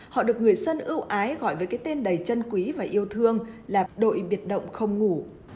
họ được người dân ưu ái gọi với cái tên đầy chân quý và yêu thương là đội biệt động không ngủ